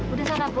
udah sana pul